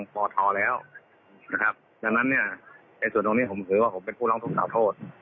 พอทอแล้วดังนั้นในส่วนตรงนี้ผมถือว่าผมเป็นผู้ร่องทุกข่าวโทษ